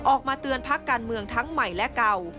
ออกมาเตือนพักการเมืองทั้งใหม่และเก่า